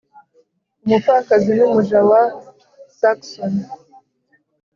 Umupfakazi numuja wa Saxon